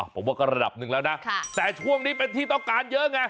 ผมว่าก็ระดับหนึ่งแล้วนะแต่ช่วงนี้เป็นที่ต้องการเยอะไง